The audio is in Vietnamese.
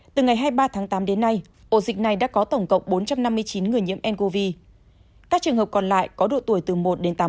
từ ngày hai mươi ba tháng tám đến nay ổ dịch này đã có tổng cộng bốn trăm năm mươi chín người nhiễm ncov các trường hợp còn lại có độ tuổi từ một đến tám mươi